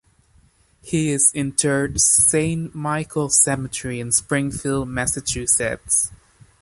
He is interred Saint Michael Cemetery in Springfield, Massachusetts.